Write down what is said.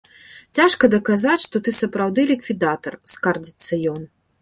Цяжка даказаць, што ты сапраўды ліквідатар, скардзіцца ён.